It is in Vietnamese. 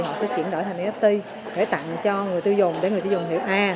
thì họ sẽ chuyển đổi thành nft để tặng cho người tiêu dùng để người tiêu dùng hiểu